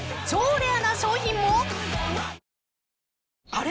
あれ？